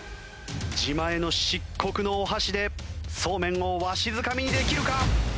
自前の漆黒のお箸でそうめんをわしづかみにできるか？ＨｉＨｉＪｅｔｓ